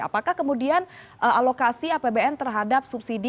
apakah kemudian alokasi apbn terhadap subsidi